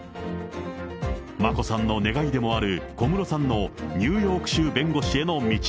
眞子さんの願いでもある、小室さんのニューヨーク州弁護士への道。